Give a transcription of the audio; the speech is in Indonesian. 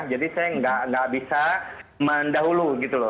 jadi saya nggak bisa mendahului gitu loh